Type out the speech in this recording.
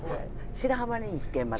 白浜に１軒まだ。